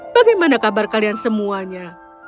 bagaimana kabar kalian semuanya